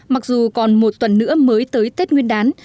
mặc dù còn một tuần nữa mới tới tết nguyên đán